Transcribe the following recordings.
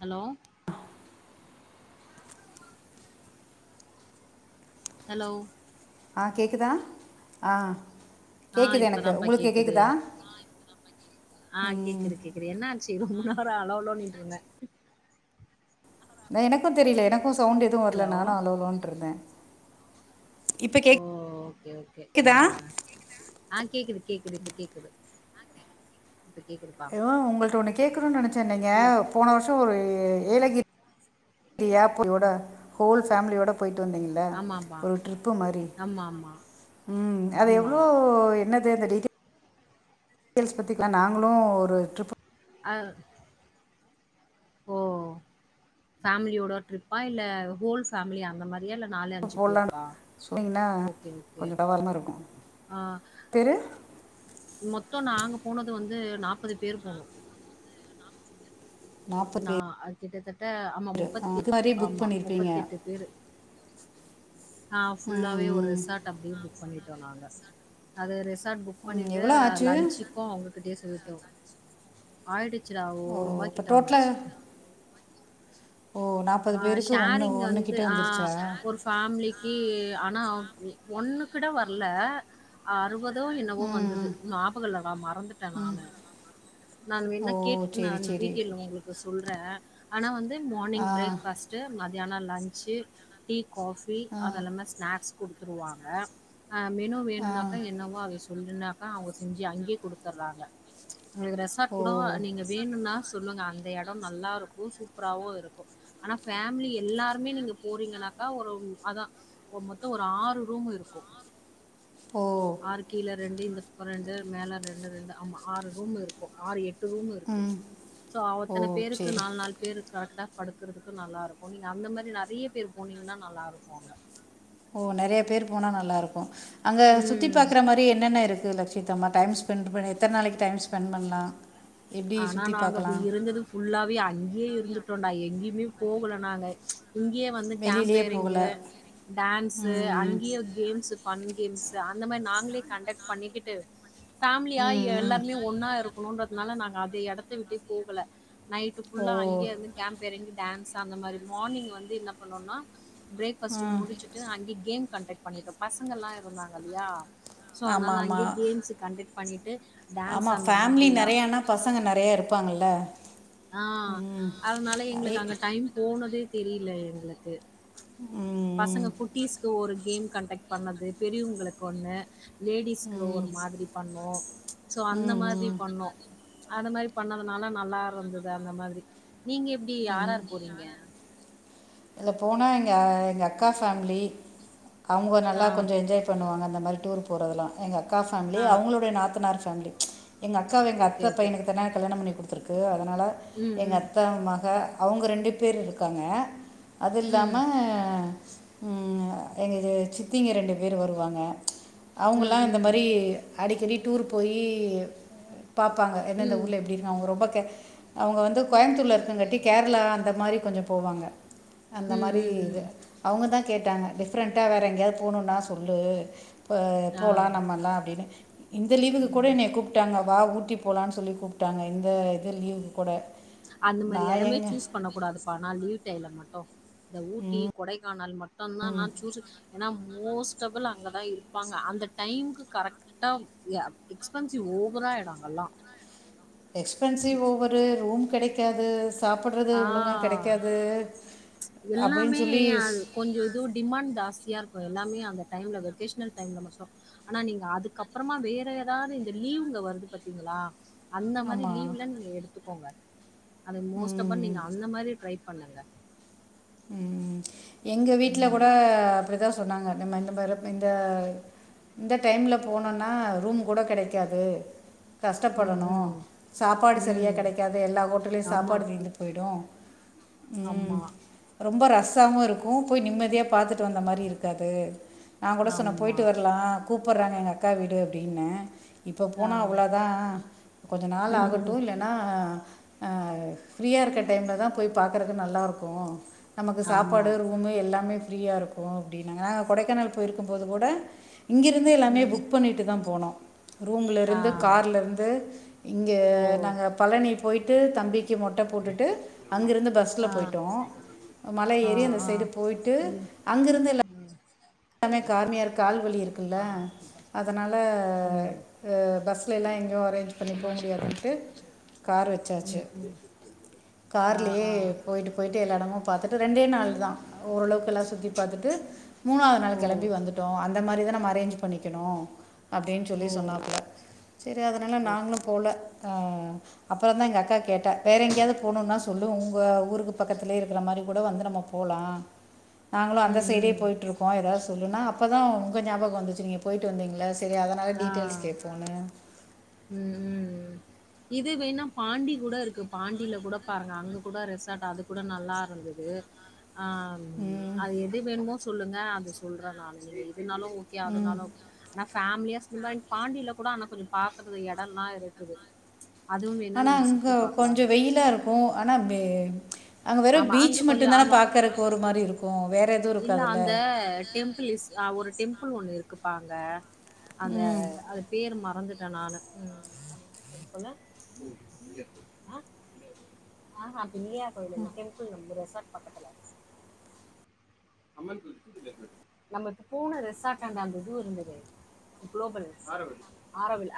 Hello hello ஆ கேக்குதா ஆ ஆ கேட்குது எனக்கு இப்பதான்ப்பா உங்களுக்கு கேக்குது கேட்குதா ஆ ம் கேக்குது கேக்குது என்ன ஆச்சு ரொம்ப அற அலோ அலோட்டு இருந்தே எனக்கு தெரில எனக்கு இ சவுண்ட் எதுவு வரல ஹலோ நானு அலோ அலோன்ட் இருந்தே ஓ ஓகே ஓகே கேட்குதா அ ஆ கேக்குது கேக்குது இப்ப கேக்குது இப்ப கேக்குதுப்பா எதோ உங்கள்ட்ட ஒண்ணு கேக்கனும்னு நினைச்சேன்ங்க இந்த போன வருஷோ ஒரு ஏலகிரிஏப்பிலோட ஹோல் ஃபேமிலியோட போயிட்டு வந்தீங்கள ஆமாப்பா ஒரு ட்ரிப்பு மாரி ஆமா ஆமா உம் அது ஆமா எவ்ளோ என்னத் அது அந்த டிட்டெய்ல் ல்ஸ் பத்திக்கலா நாங்களு ஒரு ட்ரிப்பு அ ஓ ஃபேமிலியோட ட்ரிப்பா இல்ல ஹோல் ஃபேமிலி அந்த மாரியா இல்ல நாலு அஞ்சு போடலான்னு பேருக்கா சொன்னீங்கன்னா ஓகே ஓகே கொஞ்சம் பரவாயில்லாமல் இருக்கும் அ பேர் மொத்தோ நாங்க போனது வந்து வந்து நாப்பது பேர் போனோ நாற்பது நா பேர் அது கிட்டத்தட் அ ஆமா முப்பத்தி இது மாதிரி புக் ஆமா முப்பத்தி பண்ணியிருப்பீங்க எட்டு பேரு ஆ ம் ஃபுல்லாவே ஒரு ம். ரிசார்ட் அப்படியே புக் பண்ணிட்டோ நாங்க அது ரெஸ் சார் புக் ம் பண்ணிட்டு எவ்வளோ ஆச்சு லன்ச்சுக்கு அவங்ககிட்டயே சொல்லி தோ ஆயிரத்து ச்டா ஓ ஓரூபா இப்போ கிட்ட வந்துச்சு டோட்டலாக ஓ நாற்பது ஆ பேருக்கு ஒன்று ஷாரிங் ஒன்று வந்து கிட்ட ஆ வந்துருச்சா ஒரு ஃபேமிலிக்கி அ ஆனா ஒன்னு கிட வர்ல அறுவதோ என்னவோ வந்துது ம் ஞாபகம் இல்லடா மறந்துட்டன் ம், ம் நானு நா ஓ வேணுனா கேட்டு நா சரி சரி டீடைல் உங்களுக்கு சொல் சொல்றேன் ஆனா வந்து ஆ மார்னிங் பிரேக்ஃபாஸ்டு மத் தியானம் லஞ்சு டீ காஃபி ஆ அது எல்லா தா ஸ்நாக்ஸ் குடு த்துருவாங்க ஆ மெனு ஆ வேணுனாக்கா என்னவோ [unintelligible] சொல்லனாக்கா அவுங்க செஞ்சு அங்கே குடுத்துர்றாங்க உங்ளுக்கு ரெசார்ட் ஓ கூட நீங்க வேணும்னா சொல்லுங்க அங் அந்த இடம் நல்லா இருக்கும் சூப்பராவவும் இருக்கும் ஆனா ஃபேமிலி எல்லாருமே நீங்க போறீங்கன்னாக்கா ஒரு அதான் ஒரு மொத்தம் ஒரு ஆறு ரூம் இருக்கும் ஓ ஆறு கீழே ரெண்டு இந்த பக்கம் ரெண்டு மேலா ரெண் டு ரெண்டு ஆமா ஆறு ரூம் இருக்கும் ஆறு எ ரூம் இருக்கு ம் ஷோ ஓ அத்தன சரி பேருக்கு நாலு நாலு பேருக்கு கரெக்டா படுக்குறதுக்கு நல்லா இருக்கும் நீங்க அந்த மாதிரி நெறைய பேரு போனீங்கன்னா நல்லா இருக்கும் அங்க ஒ நிறைய பேரு போனா நல்லாயிருக்கும் அங்க சுத்தி ம். பாக்குற மாரி என்னென்ன இருக்கு லக் நம்ம டைம் ஸ்பெணட் பண்ணி எத்தன நாளைக்கு டைம் ஸ்பெண்ட் பண்ணலாம் எப்படி ஆனா சுற்றி நாங்க பார்க்கலாம் இருந்தது ஃபுல்லாவே அங்கயே இருந்துட்டோண்டா எங்கயுமே போகல நாங்க இங்கயே வந்து வெளியிலேயே போகலை கேம்பேயரிங்கு டான்ஸ் ம் ம் அங்கயே கேம்ஸ் ஃபன் கேம்ஸ் அந்த மாரி நாங்களே கண்டெக் பண்ணிக்கிட்டு ஃபேமிலியா ம் ம் எல்லாருமே ஒன்னா இருக்கணும்ன்றதுனால நா அதே இடத்த விட்டே போகல நைட் ஓ ஃபுல்லா அங்கயே இருந்து கேம்பேரிங் டான்ஸ் அந்த மாரி மார்னிங் வந்து என்ன பண்ணோம்னா பிரேக் ஃபாஸ்ட் ம் முடிச்சிட்டு அங்கயே கேம் கண்டக்ட் பண்ணிட்டோம் பசங்க எல்லா இருந்தாங்க இல்லயா ஷோ ஆமாம் அதனால அங்கயே ஆமாம் கேம்ஸ் கண்டக்ட் பண்ணிட் டு டான்ஸ் ஆமாம் அந்த ஃபேமிலி மாதிரிலாம் நிறையானா பசங்க நெறைய இருப்பாங்கள் ல ஆ அதனால ஐ எங்களுக்கு அங்க டைம் போனதே தெரில எங்களுக்கு ம் பசங்க குட்டீஸ்க்கு ஒரு கேம் கண்டெக்ட் பண்ணது பெரியவங்களுக்கு ஒண்ணு லேடிஸ்க்கு ம் ம் ஒரு மாதிரி பண்ணோ சோ அந்த மாதிரி ம் பண்ணோ அது மாரி பண்ணதுனால நல்லா இருந்துது அது அந்த மாரி நீங்க எப்டி யார் யார் போறீங்க இல்ல போனா எங்க எங்க அக்கா ஃபேமிலி அவுங்க ஆ, நல்லா கொஞ்சோ என்ஜாய் பண்ணுவாங்க அந்த மாரி டூர் போறதெல்லா எங்க அக்காஃபேமிலி ஆ. அவங்களுடைய நாத்தனார் ஃபே கல்லு எங்க அக்காவ எங்க ஓகே, அத்த ஓகே. பையனுக்தனே கல்யணோ பண்ணி கொடுத்து த்திறக்கு அதனால ம், எங்க ம். அத்த மா ங்க அவங்க ரெண்டு பேர் இருக்காங்க அது இல்லாம ம். ம் எங்க சித்திங்க ரெண்டு பேரு வருவாங்க ம், அவங்கல்லா இந்த ம். மாரி அடிக்கடி டூர் போய் பாபாங்க ம். எந்தந்தஊர்ல எப்டி இருக் அவங்க ரொம்ப க அவங்க வந்து கோயம்த்தூர்ல இருக்குங்க ட்டி கேரளா அந்த மாரி கொஞ்சோ போவாங்க அந்த ம், மாரி ம், ம். அவங்கதா கேட்டாங்க டிஃப்ரெண்டா வேற எங்கேயாவது போனுன்னா சொல்லு இப்போ போகலா ஆ. நம்மலா அப்டின்னு இந்த லீவுக்கு கூட என்ன கூப்பிட்டாங்க வா உட் டி போலான்னு சொல்லி கூப்ட்டாங்க இந்த இது லீவுக்கு கூட அந்த மாரி நான் எடமே எங்க சூஸ் பண்ணக்கூடாது பா நாலீவ் டைல மட்டோ இந்த ஊட்டி கொடைக்கானல் மட் ட்ந்தா நா சூசு என்னா மோஸ்டபள் அங்கதா இருப்பாங்க அந்த டைம்க்கு கரெக்டா யா எக்ஸ்பென்சிவ் ஓவராயிடு அங்கல்லா எக்ஸ்பென்சிவு ஓவரு ரூம் கெடைக் காது ஆ அப்படின்னு எல்லாமே சொல்லி அ கொஞ்சோ இதுவு டிமாண்ட் ஜாஸ்தியா இருக்கோ எல்லாமே அந்த டைம்ல வெகேஷ்னல் டைம்ல மட்டோ ஆனா நீங்க அதுக்கு அப்பறமா வேற ஏதாவது இந்த லீவ்ங்க வருது பத்தீங்ளா அந்த மாரி ஆமாம் லீவ்ல நீங்க எடுத்து போங்க அது மோஸ்ட் ப்ப ம் நீங்க அந்த மாரி ட்ரை பண்ணுங்க ம் ம் எங்க வீட்டில ம். கூட அப்டி தா சொன்னாங்க நம்ம இந்த மாரி இந்த இந்த டைம்ல போனோன்னா ரூம் கூட கெடைக்காது ம், கஷ்டப்படனோ ம். சாப்பாடு சரியா ம். கெடைக்காது எல்லா ஹோட்டலயு ஆமா. சாப்பாடு தீர்ந்து போய்டு ஆமா, ம் அஸாவு இருக்கு போய் நிம்மதியா பாத்துட்டு வந்த மாதிரி இருக்காது நா கூட சொன்ன ஆமா. போயிட்டு வரலா கூப் கூப்பட்றாங்க எங்க அக்கா வீடு அப்டின்ன இப்ப ஆ, போனா அவ்ளோதா கொஞ்ச நாள் ஆகட்டு இல்லன்னா அ ஃப்ரீயா இருக்க டைம்ல தா போய் பாக்குறது நல்லா இருக்கு நமக்கு ஆமா. சாப்பாடு ரூமு எல்லாமே ஃப்ரீயா இருக்கு அப்டின்னாங்க நாங்க கொடைக்கானல் போயிருக்கும்போது கூட இங்கிருந்து எல்லாமே ம். புக் பண்ணிட்டு தா போனோ ரூம்ல ஆ, இருந்து கார்ல இருந்து இங்க ஓ! நாங்க பழனி போய்ட்டு தம்பிக் க்கி மொட்ட போட்டுட்டு அங்கிருந்து பஸ்ல்ல ஆ, போய்ட்டோ மல ஆ, ஏறி அந்த ஆ. சைடு போயிட்டு ம், அங்கிருந்து எல்லாப் ம். எல்லாமே கார்மியார் கால் வலி இருக்கு ல்ல ஆ. சுபாஷ். அதனால ம். அ பஸ்ல எல்லா எங்கு அரென்ஞ் பண்ணி சுபாஷ். போமுடியாதுன்ட்டு கா ச்சார்ச்சு ம், ம். ஆ, கார்லயே ஆ. போய்ட்டு போய்ட்டு எலா எடமு பாத்துட்டு ரெண்டே நாள் தா ஓரளவுக்கு எல்லா சுத்தி பார்த்துட்டு மூணு நாங்க ஓ! கெளம்பி வந்துட்டோ அந்த மாரிதான நம்ம அரேஞ்ச் பண்ணிக்கணு அப்டின்னு சொல்லி ஓ! சொன்னாப்புல செரி அதனால நாங்களு ஓகே. போல த அப்புறந்தா எங்க அக்கா கேட்டா வேற எங்கயாது போணுன்னா சொல்லு உங்க ஊருக்கு பக்கத்துலயே இருக்கிற மாரி கூட வந்து நம்ம போலா நாங்களு அந்த ம், சைடே ம். போயிட்ருக் எதாது சொல்லுன்னா அப்பதா உங்க ஞாபகோ வந்துச்சு நீங்க போயிட்டு வந்தீங்கல்ல செரி அதனால டீட்டெயில்ஸ் ஆ. கேப்போன்னு ம், ம். இது வேண்ணா பாண்டி கூட இருக்கு பாண்டியில கூட பாருங்க அங்க கூட ரெசார்ட் அது கூட நல்லா இருந்துது அம் ம் அது எது வேணுமோ சொல்லுங் ஆ அது சொல்றே நானு [unintelligible] இதுனாலு ஓகே ம் அதுனாலு ஓகே ஆனா ஃபேமிலியா சோ இந்த மாரி பாண்டில கூட ஆனா கொஞ்ச பாக்குறதுக்கு எடோ எல்லா இருக்குது அதுவும் வேணா ஆனா நீங்க அங்க சுத்தி பார்க்கலாம் கொஞ்ச அங்கே. வெயிலா இருக்கு ஆனா வே அங்க வெறு ஆமா, பீச் அங்க கொஞ்சம் மட்டுந்தான ஆமா. பாக்கறக்கு ஒரு மாரி இருக்கு வேற எதுவும் இல்ல இருக்காதுல்ல அந்த டெம்பிளிஸ் ஆ ஒரு டெம் பிள் ஒண்ணு இருக்குப்பா அங்க அந்த ம் அது பேர் மறந்துரு ட்டே நானு ம் பிள்ளையார் கோயில் இல்ல டெம்பிள் நம்ம ரெசார்ட் பக்கத்துல ஆரோவில்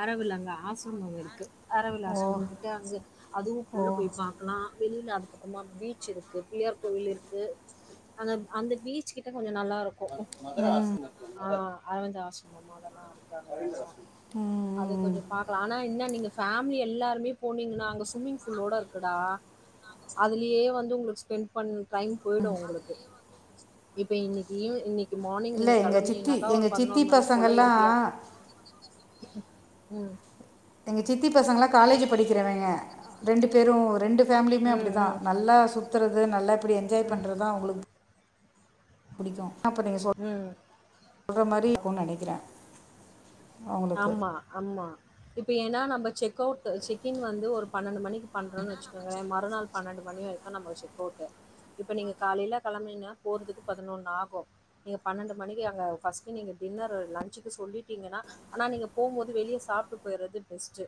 ஆரோவில் அங்க ஆசிரமோ இருக்கு ஆரோவில் ஓ ஆசிரமோன்ட்டு இருக்கு அங்க அதுவு ஓ உள்ள போய் பாக்கலா வெளில அதுக்கப்புறமா பீச் இருக்கு பிள்ளையார் கோவில் இரு க்கு அந்த அந்த பீச் கிட்ட கொஞ்ச நல்லா இரு க்கு ம் அரவிந்த ஆசரமம் அதெல்லா இருக்கு அங்க ஆ அது ம் கொஞ்ச பாக்கலா ஆனா என்ன நீங்க ஃபேமிலி எல்லாருமே போனீங்கன்னா அங்க ஸ்விம்மிங் ஃபூலோட இருக்குடா அதுலயே வந்து உங்களுக்கு ஸ்பென்ட் பண் டைம் போயிடு உங்களுக்கு இப்ப இன்னக்கி ஈவ் இன்னக் இல்ல எங்க சித்தி எங்க சித்தி மணிக்கு போல பசங்கல்லா என்ட்ரி ஆகு ம் எங்க சித்தி பசங்கல்ல காலேஜு படிக்கிறவங்க ரெண்டு பேரு ரெண்டு ஃபேமிலியுமே ம், அப்பிடிதா ம், நல்லா சு த்துறது நல்ல அப்டி என்ஜாய் ம், பண்றதுதா அவுங்களுக் புடிக்கு அப்ப நீங்க சொ ம். ல்ற மாரி இருக்குன்னு நெனைக்கிறே ஆமா ஆமா இப்ப ஏன்னா நம்ப செக் அவுட்டு செக் இன் வந்து ஒரு பன்னெண்டு மணி பண்றோன்னு வச்சுக்கோங்களே மறுநாள் பன்னெண்டு மணி வரைக்கு நமக்கு செக் அவுட்டு இப்ப நீங்க காலையில கெளம்புனீங்கனா போறதுக்கு பதனொன்னு ஆகு நீங்க பன்னெண்டு மணிக்கு ஃபர்ஸ்ட் டின்னர் லன்ச்சுக்கு நீங்க சொல்லிட்டீங்கன்னா ஆனா நீங்க போகும் போது வெளிய சாப்ட்டு போயர்றது பெஸ்ட்டு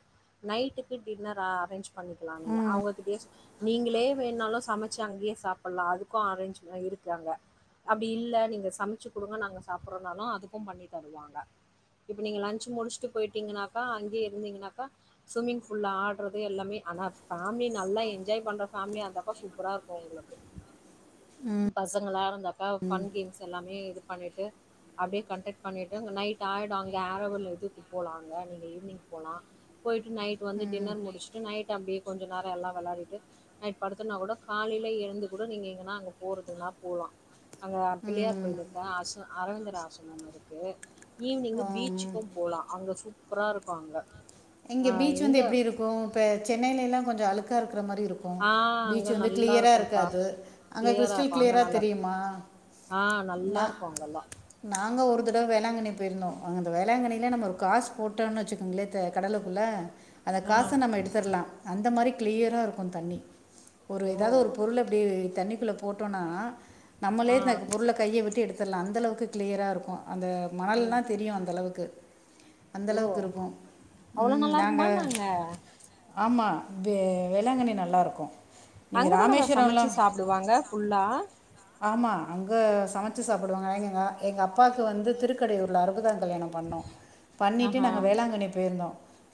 நைட்டுக்கு டின்னர் ஆ அரேஞ்ச் பண்ணிக்கலா நீங்க அவுங்ககிட்டயே சொ நீங்களே வேண்ணாலு சமைச்சு அங்கயே சாப்டலா அதுக்கு அரேஞ்ச் எல்லா இருக்கு அங்க அப்டி இல்ல நீங்க சமச்சு குடுங்க நாங்க சாப்டுறோன்னாலு அதுக்கும் பண்ணித் தருவாங்க இ ப்ப நீங்க லன்ச் முடிச்சுட்டு போயிட்டீங்கனாக்கா அங்கயே இருந்தீங்கனாக்கா ஸ்விம்மிங் ஃபூல்ல ஆடுறது எல்லாமே ஆனா ஃபேமிலி நல்லா என்ஜாய் பண்ற ஃபேமிலியா இருந்தாக்கா சூப்பரா இருக்கு உங்களுக்கு ம் பசங்களா இருந்தாக்கா ஃபன் கேம்ஸ் எல்லாமே இது பண்ணிட்டு அப்டியே கண்டக்ட் பண்ணிட்டு அங்க நைட் ஆயிடு அங் ங்க ஆரோவில் இதுக்கு போலாங்க நீங்க ஈவினிங் போலா போயிட்டு நைட் வந்து டின்னர் முடிச்சுட்டு நைட் அப்டியே கொஞ்ச நேரோ எல்லா வெளையாடிட்டு நைட் படுத்தம்னா கூடோ காலைல எழுந்து கூட நீங்க எங்கனா அங்க போறதுன்னா போலா அங்க பிள்ளையார் ம் கோயில் இருக்கு அசு அரவிந்த ர் ஆசிரமம் இருக்கு ஈவி்னிங்கு பீ ம் ச்சுக்கும் போலா அங்க சூ ப்பரா இருக்கு அங்க இங்க பீச் வந்து எப்டி இருக்கு இப்ப சென்னைல எல்லா கொஞ்ச அழுக்கா இருக் கற மாரி இருக்கு ஆ பீச் அங்கே வந்து நல்லா கிளியரா இருக்கும்ப்பா இருக்காது அங்க கிளியராக கிரிஸ்டல் இருக்கும் அங்கே கிளியரா நல்லா இருக்கும் தெரியுமா ஆ நல்லா நா இருக்கும் அங்கெல்லாம் நாங்க ஒரு தட வ வேளாங்கண்ணி போயிருந்தோ அங்க அந்த வேளாங்கண்ணியில நம்ம ஒரு காசு போட்டோன்னு வச்சுக்கோங்களே தெ கடலுக்குள்ள அந்த ஆ காச நம்ம எடுத்தர்லா அந்த மாரி கிளியரா இருக்கு தண்ணி ஒரு ஓ! எதாவது ஒரு பொருள அப்டி தண்ணி க்குள்ள போட்டோன்னா ஆ. நம்மளே அந்த பொருள கைய விட்டு எடு த்தர்லா அந்த அளவுக்கு கிளியரா இருக்கு அந்த மணல்லா ம். தெரியு அந்தளவுக்கு அந்த ஓ! அளவுக்கு இருக்கு அவ்ளோ நல்லா இருக்குமா என்ன அங்க? மா வே வேளாங்கண்ணி நல்லா இருக்கு அங்கதானம்மா சமைச்சு சாப்டுவாங்க ஃபுல்லா ஆமா அங்க சமைச்சு சாப்டுவாங்க எங்கங்க எங்க அப்பாக்கு வந்து திருக்கடையூர்ல அறுபதா ங் கல்யாணோ பண்ணோ பண்ணிட்டு ஆஹா. நாங்க வேளாங்கண்ணி போயிருந்தோ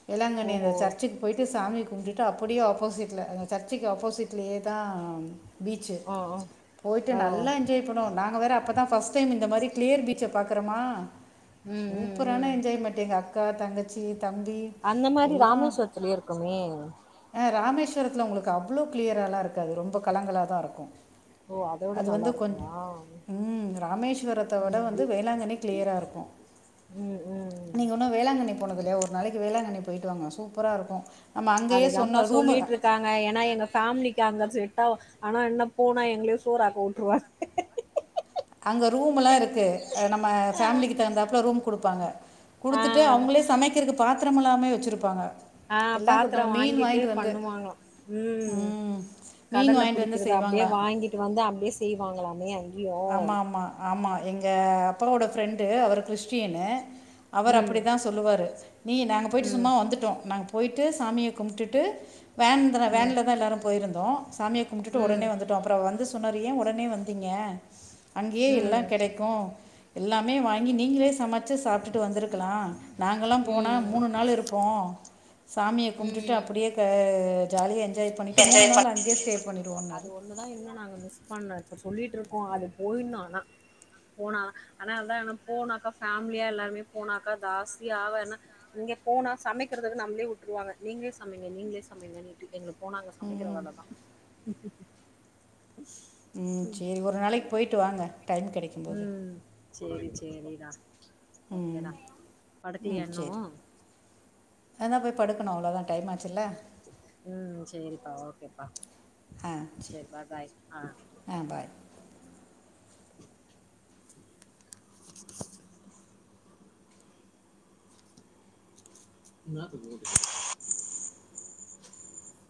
வேளாங்கண்ணி அந்த ஓஹோ! சர்ச்சுக்கு போயிட்டு சாமி கும்டுட்டு அப்பிடியே ஆப்போசிட்ல அந்த சர்ச்சுக்கு ஆப்போசிட்லயேதா பீச்சு ஓ! ஓ! போயி்ட்டு ஓ! நல்லா என்ஜாய் பண்ணுவோ நாங்க வேற அப்பதா ஃபர்ஸ்ட் டைம் இந்த மாரி கிளியர் பீச்ச பாக்கறமா ம், ம், சூப்பரான ம். என்ஜாய்மென்ட் எங்க அக் கா தங்கச்சி தம்பி அந்த மாரி எல்லாம் ராமேஸ்வரத்துலயே இருக்குமே ராமேஸ்வரத்துல உங்களுக்கு அவ்ளோ கிளியரா எல்லா இருக்காது ரொம்ப கலங்களாதா இருக்கு ஓ அத விட நல்லா இருக்குமா ம் ராமேஸ்வரத்தை விட ம் வந்து வேளாங்கண்ணி கிளியராக இருக்கும் ம் ம் போனதில்லயா ஒரு நாளைக் கி வேளாங்கண்ணி போயிட்டு வாங்க சூப்பரா இருக்கு அதுதாம்ப்பா சொல்லிட்ருக்காங்க ஏன்னா எங்க ஃபேமிலிக்கு அங்க செட்டாவு ஆனா என்ன போனா எங்களயே சோறாக்க உட்ருவாங்க அங்க ரூம் எல்லா இருக்கு ஆ நம்ம ஃபேமிலிக்கு தகுந்தாப்புல ரூம் குடுப் பாங்க ஆ. குடுத்துட்டு ஆ. அவுகங்ளே சமைக்கிறதுக்கு பா த்திரமெல்லாமே வச்சுருப்பாங்க ஆ எல்லாம் கொடு- பாத்தரோ நம்ம மீன் வாங்கிட்டு வந்து பண்ணுவாங்களா ம் மீன் கடல்ல வாங்கிட்டு வந்து புடிக்கறத அப்டியே செய்வாங்களாம் வாங்கிட்டு வந்து அப்டியே செய்வாங்களாமே அ ஆமா ஆமா ஆமா எங்க அப்பாவோட ஃப்ரெண்டு அவர் கிறிஸ்டீனு அவரு ம். அப்பிடிதா சொல்லுவாரு நீ நாங்க போயிட்டு ம். சும்மா வந்துட்டோ நாங்க போய் ட்டு சாமிய கும்ட்டுட்டு வேன்துல ம். வேன்லதா எல்லாரு போயிருந்தோ சாமிய கும்டுட்டு ம். ஒடனே வந்துட்டோ அப்றோ வந்து சொன்னாரு யேன் உடனே வந்தீங்க அங்கயே எல்லா ம். கெடைக்கு எல்லாமே வாங்கி நீங்களே சம ச்சு சாப்டுட்டு வந்துருக்கலா நாங்கல்லா போனா ம். மூணு நாள் இருப்போ சாமிய கும்ட்டுட்டு ம். அப்பிடியே க ஜாலியா என் அது ஒண்ணுதா இன்னு நாங்க மிஸ் பண்ணது பட் சொல்லிட்ருக் கோ அது போயிட்னு ஆனா போனா ஆனா அதா நம் போனாக்கா ஃபேமிலியா எல்லாருமே போனாக்கா ஜாஸ்தியாவு ஏன்னா இங்க போனா சமைக்கிறதுக்கு நம்மளயே விட்ருவாங்க நீங்களே சமைங்க நீங்களே சமைங்கனிட்டு எங்கள போனா அங்க சமைக்கிற ம், வேலதா ம் சேரி ஒரு நாளைக்கு போயிட்டு வாங்க டைம் கெடைக்கும்போது சேரி சேரிடா ம் ஓகேடா படுக்கலயா இன்னு அதா போய் படுக்கணு அவ்ளோதா டைம் ஆச்சுல்ல க்கேப்பா ஆ சேரி ஆ பாய் என் போ [unintelligible]